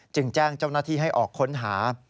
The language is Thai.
แจ้งเจ้าหน้าที่ให้ออกค้นหา